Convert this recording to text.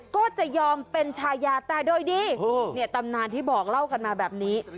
ก็จะยอมเป็นชายาแต่โดยดีเนี่ยตำนานที่บอกเล่ากันมาแบบนี้